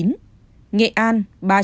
nghệ an ba trăm hai mươi năm